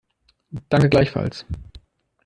Danke, gleichfalls.